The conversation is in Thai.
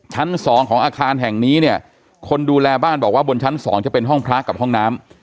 ชั้นสองของอาคารแห่งนี้เนี่ยคนดูแลบ้านบอกว่าบนชั้นสองจะเป็นห้องพระกับห้องน้ำ